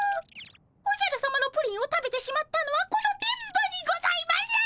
おじゃるさまのプリンを食べてしまったのはこの電ボにございます！